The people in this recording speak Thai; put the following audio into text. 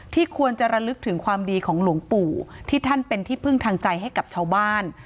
ควรจะระลึกถึงความดีของหลวงปู่ที่ท่านเป็นที่พึ่งทางใจให้กับชาวบ้าน